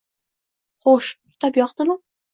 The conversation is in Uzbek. “Xo‘sh, kitob yoqdimi”